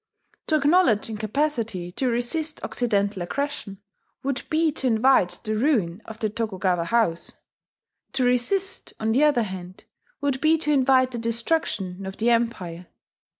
To acknowledge incapacity to resist Occidental aggression would be to invite the ruin of the Tokugawa house; to resist, on the other hand, would be to invite the destruction of the Empire.